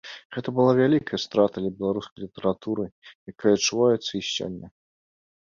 Гэта была вялікая страта для беларускай літаратуры, якая адчуваецца і сёння.